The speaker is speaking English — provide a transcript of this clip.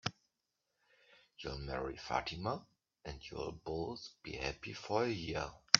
You'll marry Fatima, and you'll both be happy for a year.